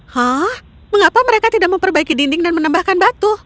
hah mengapa mereka tidak memperbaiki dinding dan menambahkan batu